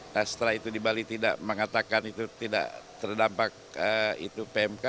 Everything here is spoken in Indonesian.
nah setelah itu di bali tidak mengatakan itu tidak terdampak itu pmk